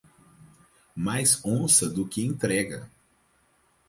Mais onça do que entrega.